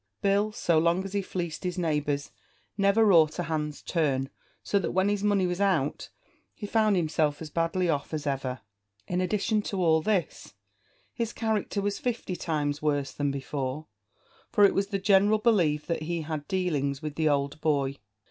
Bill, so long as he fleeced his neighbours, never wrought a hand's turn; so that when his money was out, he found himself as badly off as ever. In addition to all this, his character was fifty times worse than before; for it was the general belief that he had dealings with the old boy.